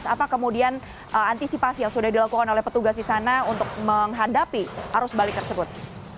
apa kemudian antisipasi yang sudah dilakukan oleh petugas di sana untuk menghadapi arus balik tersebut